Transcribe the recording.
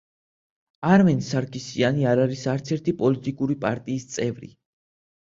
არმენ სარქისიანი არ არის არც ერთი პოლიტიკური პარტიის წევრი.